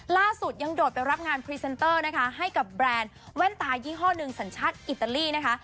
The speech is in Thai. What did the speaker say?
ล่าสุดยังโดดไปรับงานพรีเซนเตอร์นะคะให้กับแบรนด์แว่นตายี่ห้อหนึ่งสัญชาติอิตาลีนะคะ